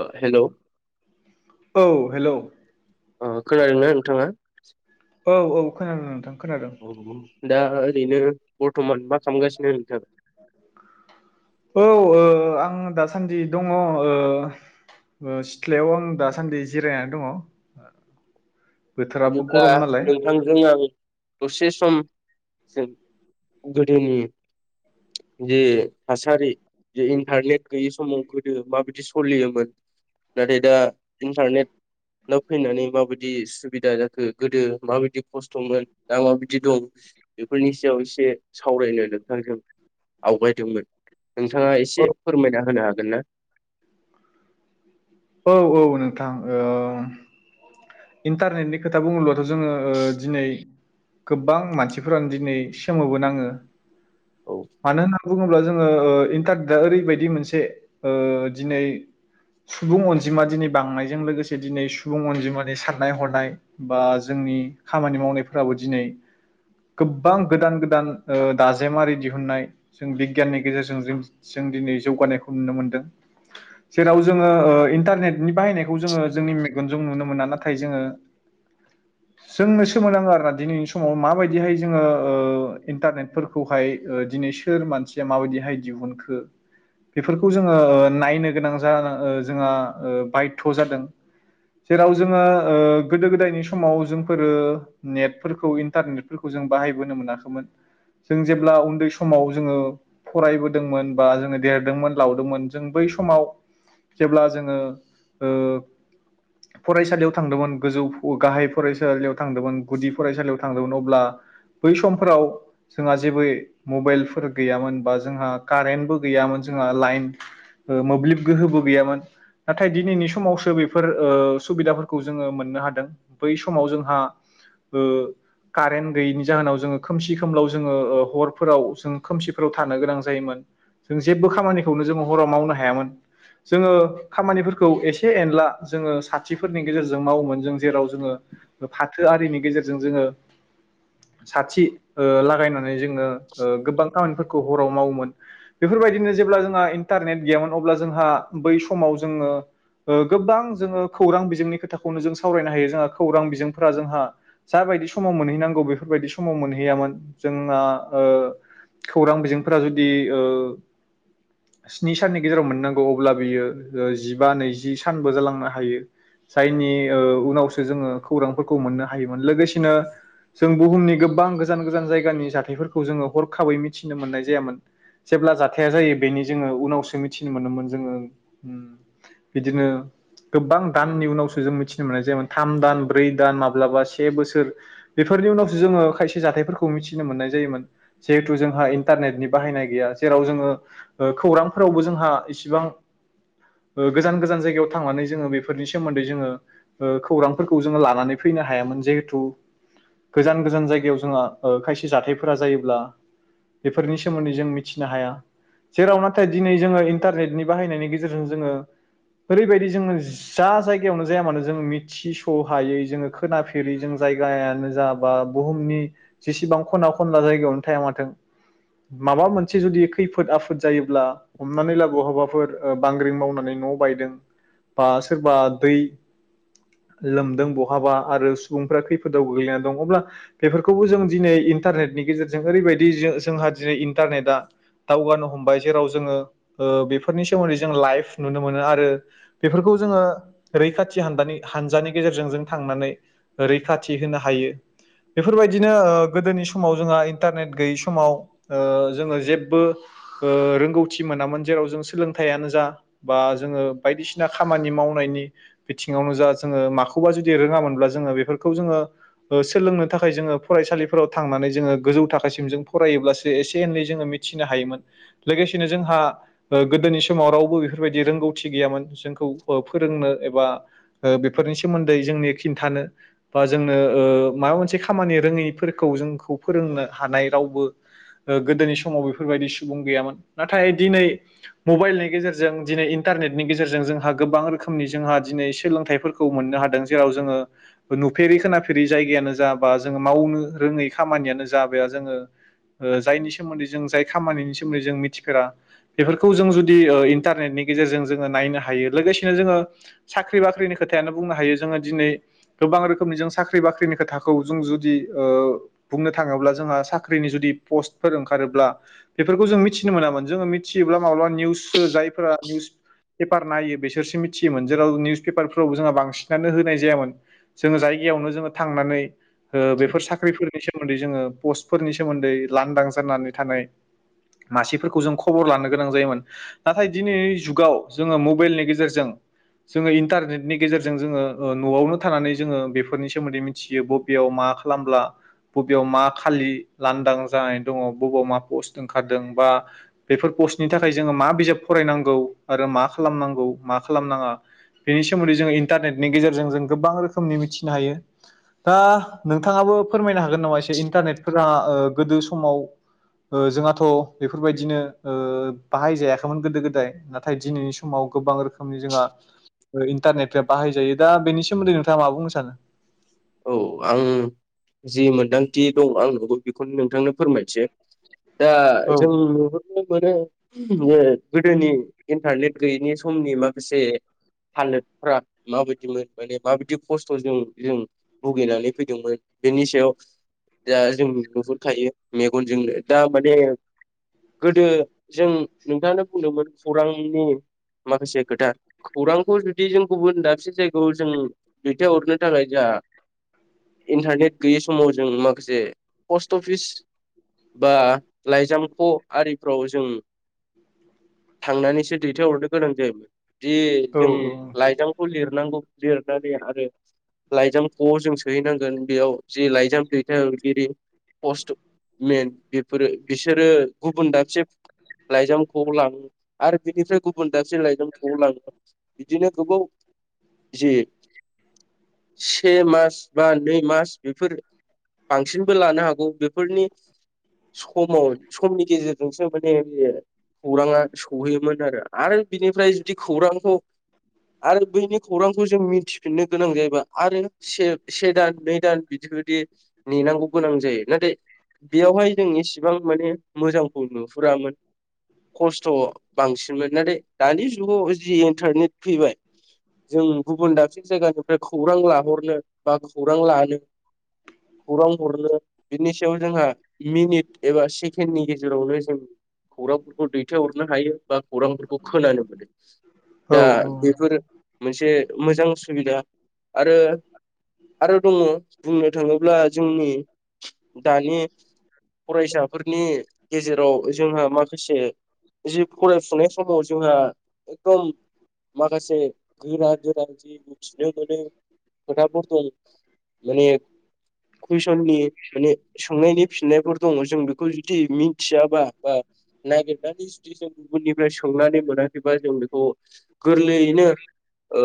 ओ हेल। औ हेलौ ओ खोनादोंनो नोंथाङा? औ औ खोनादों नोंथां खोनादों। दा ओरैनो बर्थमान मा खालामगासिनो नोंथां? औ ओ आं दासान्दि दङ ओ ओ सिथ्लायाव आं दासान्दि जिरायनानै दङ। बोथोराबो बिदिब्ला गरम नालाय नोंथांजों आं दसे सम जों गोदोनि जे थासारि जे इन्टारनेट गैयि समाव गोदो माबिदि सलियोमोन नाथाय दा इन्टारनेटनो फैनानै माबायदि सु बिदा जाखो गोदो माबायदि खस्थमोन दा माबायदि दं बेफोरनि सायाव एसे सावरायनो नोंथांजों आवगायदोंमोन। नोंथाङा औ एसे फोरमायना होनो हागोन ना? औ औ नोंथां ओ इन्टारनेटनि खोथा बुङोब्लाथ जोङो ओ दिनै गोबां मानसिफोरानो दिनै सोमोबोनाङो। औ मानो होनना बुङोब्ला जोङो ओ इन्टारनेटआ ओरैबायदि मोनसे ओ दिनै सुबुं अनजिमा दिनै बांनायजों लोगोसे दिनै सुबुं अनजिमा नै साननाय हरनाय बा जोंनि खामानि मावनायफोराबो दिनै गोबां गोदान गोदान ओ दाजेमारि दिहुननाय जों बिगियाननि गेजेरजों जों दिनै जौगानायखौ नुनो मोन्दों जेराव जोङो ओ इन्टारनेटनि बाहायनायखौ जोङो जोंनि मेगनजों नुनो मोना नाथाय नाथाय जोङो जोंनो सोमोनाङो आरोना दिनैनि समाव माबायदिहाय जोङो ओ इन्टारनेटफोरखौहाय ओ दिनै सोर मानसिया माबायदिहाय दिहुनखो बेफोरखौ जोङो नायनो गोनां जा ओ जोंहा बायध' जादों जेराव जोङो ओ गोदो गोदायनि समाव जोंफोरो नेटफोरखौ इन्टारनेटफोरखौ जों बाहायबोनो मोनाखैमोन जों जेब्ला उन्दै समाव जोङो फरायबोदोंमोन बा जोङो देरदोंमोन लावदोंमोन जों बै समाव जेब्ला जोङो ओ फरायसालियाव थांदोंमोन गोजौ गाहाय फरायसालियाव थांदोंमोन गुदि फरायसालियाव थांदोंमोन। अब्ला बै समफोराव जोंहा जेबो मबाइलफोर गैयामोन बा जोंहा कारेन्टबो गैयामोन जोंहा लाइन ओ मोब्लिब गोहोबो गैयामोन नाथाय दिनैनि समावसो बेफोर ओ सुबिदाफोरखौ जोङो मोननो हादों बै समाव जोंहा ओ कारेन्ट गैयैनि जाहोनाव जोङो खोमसि खोमलाव जोङो ओ हरफोराव जों खोमसिफोराव थानो गोनां जायोमोन जों जेबो खामानिखौनो जोङो हराव मावनो हायामोन जोङो खामानिफोरखौ एसे एनला जोङो सान साथिफोरनि गेजेरजों मावोमोन जों जेराव जोङो फाथो आरिनि गेजेरजों जोङो साथि लागायनानै नै जोङो ओ गोबां खामानिफोर खौ हराव मावोमोन बेफोरबायदिनो जेब्ला जोंहा इन्टारनेट गैयामोन अब्ला जोंहा बै समाव जोङो ओ गोबां जोङो खौरां बिजोंनि खोथाखौनो जों सावरायनो हायो जोंहा खौरां बिजोंफोरा जोंहा जाबायदि समाव मोनहैनांगौ बेफोरबायदि समाव मोनहैयामोन जोंहा ओ खौरां बिजोंफोरा जुदि ओ स्नि साननि गेजेराव मोननांगौ अब्ला बियो जिबा नैजि सानबो जालांनो हायो। जायनि ओ उनावसो जोङो खौरांफोरखौ मोननो हायोमोन लोगोसेनो जों बुहुमनि गोबां गोजान गोजान जायगानि जाथायफोरखौ जोङो हरखाबै मिथिनो मोननाय जायामोन जेब्ला जाथाया जायो बेनि जोङो उनावसो मिथिनो मोनोमोन जोङो बिदिनो गोबां दाननि उनावसो जों मिथि मोननाय जायोन थाम दान ब्रै दान माब्लाबा से बोसोर बेफोरनि उनावसो जोङो खायसे जाथायफोरखौ मिथिनो मोननाय जायोमोन जिहेथु जोंहा इन्टारनेटनि बाहायनाय गैया जेराव जोङो ओ खौरांफोरावबो जोंहा इसेबां ओ गोजान गोजान जायगायाव थांनानै जोङो बेफो नि सोमोन्दै जोङो ओ खौरांफोरखौ जोङो लानानै फैनो हायामोन जहेथु गोजान गोजान जायगायाव जोंहा ओ खायसे जाथायफोरा जायोब्ला बेफोरनि सोमोन्दै जों मिथिनो हाया जेराव नाथाय दिनै जोङो इन्टारनेटनि बाहायनायनि गेजेरजों जोङो ओरैबायदि जोङो जा जायगायावनो जाया मानो जों मिथिस हायै जोङो खोनाफेरै जों जायगायानो जा बा बुहुमनि जेसेबां खना खनला जायगायावनो थाया माथों माबा मोनसे जुदि खैफोद आफोद जायोब्ला हमनानै लाबो हबाफोर बांग्रिं मावनानै न बायदों बा सोरबा दै लोमदों बहाबा आरो सुबुंफ्रा खैफोदाव गोग्लैनानै दं अब्ला बेफोरखौबो जों दिनै इन्टारनेटनि गेजेरजों ओरैबायदि जोंहा दिनै इन्टारनेटआ दावगानो हमबाय जेराव जोङो ओ बेफोरनि सोमोन्दै जों लाइफ नुनो मोनो आरो बेफोरखौ जोङो रैखाथि हान्दानि हान्जानि गेजेरजों जों थांनानै रैथि होनो हायो बेफोरबायदिनो ओ गोदोनि समाव जोंहा इन्टारनेट गैयै समाव ओ जोङो जेबो ओ रोंगौथि मोनामोन जेराव जों सोलोंथाइानो जा बा जोङो बायदिसिना खामानि मावनायनि बिथिङावनो जा जोङो माखौबा जुदि रोङामोनब्ला जोङो बेफोरखौ जोङो ओ सोलोंनो थाखाय जोङो फरायसालिफोराव थांनानै जोङो गोजौ थाखोसिम जों फरायोब्लासो एसे एनै जोङो मिथिनो हायोमोन लोगोसेनो जोंहा ओ गोदोनि समाव रावबो बेफोरबायदि रोंगौथि गैयामोन जों औ फोरोंनो एबा ओ बेफोरनि सोमोन्दै जोंनि खिन्थानो बा जोंनो ओ माबा मोनसे खामानि रोङैफोरखौ जोंखौ फोरोंनो हानाय रावबो ओ गोदोनि समाव बेफोरबायदि सुबुं गैयामोन नाथाय दिनै मबाइलनि गेजेरजों दिनै इन्टारनेटनि गेजेरजों जोंहा गोबां रोखोमनि जोंहा दिनै सोलोंथाइफोरखौ मोननो हादों जेराव जोङो नुफेरै खोनाफेरै जायगायानो जाबा जोङो मावनो रोङै खामानियानो जा जोङो जायनि सोमोन्दै जों जाय खामानिनि सोमोन्दै जों मिथिफेरा बेफोरखौ जों जुदि ओ इन्टारनेटनि गेजेरजों जोङो नायनो हायो। लोगोसेनो जोङो साख्रि बाख्रिनि खोथायानो बुंनो हायो जोङो दिनै गोबां रोखोमनि जों साख्रि बाख्रिनि खोथाखौ जों जुदि ओ बुंनो थाङोब्ला जोंहा साख्रिनि जुदि पस्टफोर ओंखारोब्ला बेफोरखौ जों मिथिनो मोनामोन जोङो मिथियोब्ला माब्लाबा निउसो जायफोरा निउस पेपार नायो बिसोरसो मिथियोमोन जेराव निउस पेपारफोरावबो जोंहा बांसिनानो होनाय जायामोन जोङो जायगायावनो जोङो थांनानै ओ बेफोर साख्रिफोरनिसो सोमोन्दै जोङो पस्टफोरनि सोमोन्दै लांदां जानानै थानाय मासिफोरखौ जों खबर लानो गोनां जायोमोन नाथाय दिनै जुगाव जोङो मबाइलनि गेजेर गेजेरजों जोङो इन्टारनेटनि गेजेरजों जोङो ओ न'आवनो थानानै जोङो बेफोरनि सोमोन्दै मिथियो बबेयाव मा खालामब्ला बबेयाव मा खालि लांदां जानानै दङ बबेयाव मा पस्ट ओंखारदों बा बेफोर पस्टनि थाखाय जोङो मा बिजाब फरायनांगौ आरो मा खालामनांगौ। मा खालामनाङा बेनि सोमोन्दै जोङो इन्टारनेटनि गेजेरजों जों गोबां रोखोमनि मिथिनो हायो दा नोंथाङाबो फोरमायनो हागोन नामा एसे इन्टारनेटफोरा ओ गोदो समाव ओ जोंहाथ' बेफोरबायदिनो ओ बाहाय जायाखैमोन गोदो गोदाय नाथाय दिनैनि समाव गोबां रोखोमनि जोंहा ओ इन्टारनेटा बाहायजायो दा बेनि सोमोन्दै नोंथाङा मा बुंनो सानो? औ आं जि मोनदांथि दं आंहाबो बेखौनो नोंथांनो फोरमायसै दा औ जों नुहरनो मोनो गोदोनि इन्टारनेट गैयैनि समनि माखासे हालोदफ्रा माबायदिमोन माने माबायदि खस्थजों जों भुगिनानै फैदोंमोन बेनि सायाव दा जों नुहुरखायो मेगनजोंनो दा माने गोदो जों नोंथाङानो बुंदोंमोन खौरांनि माखासे खोथा खौरांखौ जुदि जों गुबुन दाबसे जायगायाव जों दैथायहरनो थाखाय जोंहा इन्टारनेट गैयै समाव जों माखासे पस्ट अफिस बा लाइजामख' आरिफ्राव जों थांनानैसो दैथायहरनो गोनां जायोमोन। दि औ जों लाइजामखौ लिरनांगौ लिरनानै आरो लाइजाम ख‌आव जों सोहैनांगोन बेयाव जे लाइजाम दैथायरगिरि पस्टमेन बेफोरो बिसोरो गुबुन दाबसे लाइजाम खआव लाङो आरो बिनिफ्राय गुबुन दाबसे लाइजाम खआव लाङो बिदिनो गोबाव जि से मास बा नै मास बेफोर बांसिनबो लानो हागौ बेफोरनि समाव समनि गेजेरजोंसो माने बे खौराङा सौहैयोमोन आरो आरो बिनिफ्राय जुदि खौरांखौ आरो बैनि खौरांखौ जों मिथि फिननो गोनां जायोबा आरो से दान नै दान बिदि‌ बिदि नेनांगौ गोनां जायो नाथाय बेयावहाय जों इसेबां माने मोजांखौ नुहुरामोन खस्थ बांसिनमोन नाथाय दानि जुगाव जि इन्टारनेट फैबाय जों गुबुन दाबसे जायगानिफ्राय खौरां लाहर बा खौरां लानो खौरां हरनो बिनि सायाव जोंहा मिनिट एबा सेकेणनि गेजेरावनो जों खौरांफोरखौ दैथायहरनो हायो। बा खौरांफोरखौ खोनानो औ दा बेफोर मोनसे मोजां सुबिदा आरो आरो दंङ बुंनो थाङोंब्ला जोंनि दानि फरायसाफोरनि गेजेराव जोंहा माखासे जि फरायफुनाय समाव जोंहा एकदम माखासे गोरा-गोरा जि मिथिनो मोनो। खोथाफोरखौ माने कुइसननि माने सोंनायनि फिननायफोर दङ' जों बेखौ जुदि मि थियाबा बा नागिरनानै जुदि जों गुबुुननिफ्राय सोंनानै मोनाखैबा जों बेखौ गोरलैयैनो ओ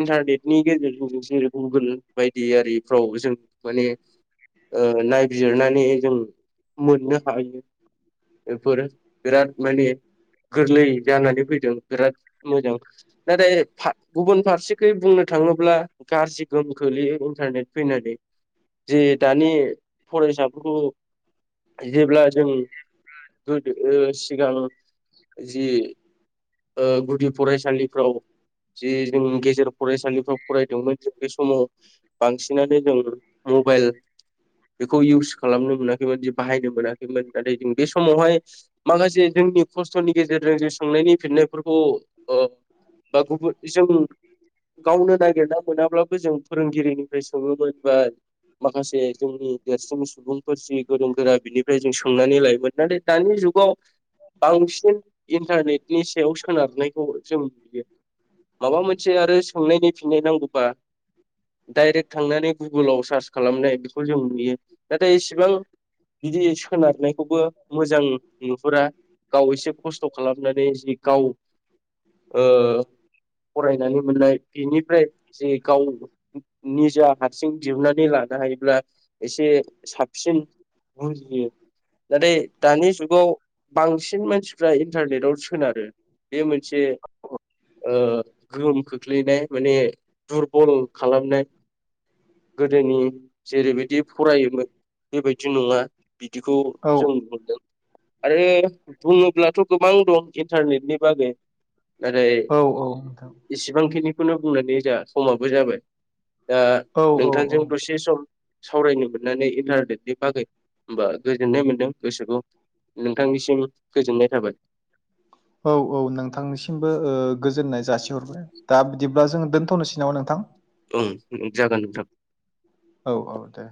इन्टारनेटनि गेजेर जेरै गुगोल बायदि आरिफ्राव जों माने ओ नायबिजिरनानै मोननो हायो बेफोरो बिराद माने गोरलै जानानै फैदों बिराद मोजां नाथाय फा गुबुन फारसेखै बुंनो थाङोब्ला गाज्रि गोम खोख्लैयो इन्टारनेट फैनानै जे दानि फरायसाफोरखौ जेब्ला जों गोदो सिगां जि ओ गुदि फरायसालिफ्राव जि जों गेजेर फरायसालिफ्राव फराय बे समाव बांसिनानो जों मबाइल बेखौ इउस खालामनो मोन खैमोन बाहायनो मोनाखैमोन नाथाय जों बे समावहाय माखासे जोंनि खस्थनि गेजेरजों जों संनायनि फिननायफोरखौ ओ बा गुबुन जों गावनो नागिरना मोनाब्लाबो जों फोरोंगिरिनिफ्राय सोङोमोन बा माखासे जोंनि देरसिन सुबुंफोर जि गोरों गोरा बिनिफ्राय जों सोंनानै लायोमोन। नाथाय दानि जुगाव बांसिन इन्टारनेटनि सायाव सोनारनायखौ जों नुयो माबा मोनसे आरो सोंनायनि फिननाय नांगौ डाइरेक थांनानै गुगलाव सार्च खालामनाय बेखौ जों नुयो नाथाय इसेबां बिदि सोनारनायखौबो मोजां नुहुरा गाव एसे खस्थ खालामनानै जि गाव ओ फरायनानै मोननाय बेनिफ्राय एगाव निजा हारसिं दिहुननानै लानो हायोब्ला एसे साबसिन बुजियो नाथाय दानि जुगाव बांसिन मानसिफ्रा इन्टारनेटआव सोनारो बे मोनसे ओ गोहोम खोख्लैनाय माने दुरबल खालामनाय गोदोनि जेरैबायदि फरायोमोन बेबायदि नङा बिदिखौ औ जों नुहरदों आरो बुङोब्लाथ' गोबां दं इन्टारनेटनि बागै नाथाय औ औ नोंथां एसेबांखिनि खौनो बुंनानै जास समाबो जाबाय दा औ औ औ नोंथांजों दसे सम सावरायनो मोननानै इन्टारनेटनि बागै होमबा गोजोननाय मोन्दों गोसोखौ नोंथांनिसिम गोजोननाय थाबाय। औ औ नोंथांनिसिमबो ओ गोजोननाय जासिहरबाय दा बिदिब्ला जों दोनथनोसै नामा नोंथां? ओं जागोन नोंथां। औ-औ दे